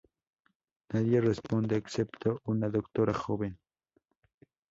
Nadie responde excepto una doctora joven.